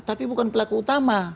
tapi bukan pelaku utama